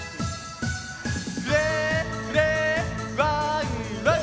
フレフレワンワン！